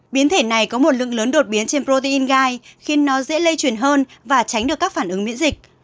biến thể này có một lượng lớn đột biến trên protein gai khiến nó dễ lây chuyển hơn và tránh được các phản ứng miễn dịch